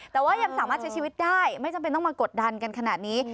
แต่ว่ายังสามารถใช้ชีวิตได้ไม่จำเป็นต้องมากดดันกันขนาดนี้